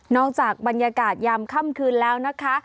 จากบรรยากาศยามค่ำคืนแล้วนะคะ